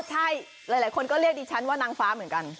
ใช่หลายคนก็เรียกดิฉันว่านางฟ้าเหมือนกัน